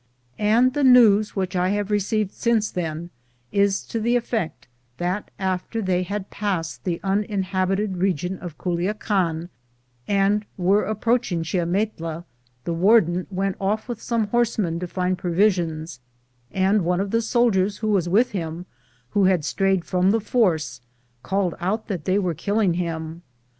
And the news which I have received since then is to the effect that after they had passed the uninhabited region of Guluacan and were approaching Chiametla, the warden went off with some horsemen to find provisions, and one of the soldiers who was with him, who had strayed from the force, called out that they were killing him.